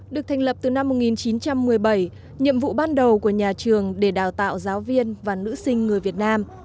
được thành lập từ năm một nghìn chín trăm một mươi bảy nhiệm vụ ban đầu của nhà trường để đào tạo giáo viên và nữ sinh người việt nam